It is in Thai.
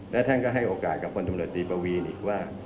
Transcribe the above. และท่านก็ให้โอกาสกับพลตำรวจตีปวีนอีกว่า